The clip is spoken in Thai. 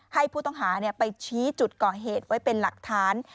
ให้ผู้ต้องหาไปชี้จุดก่อเหตุไว้เป็นหลักฐาน